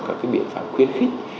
các cái biện pháp khuyên khích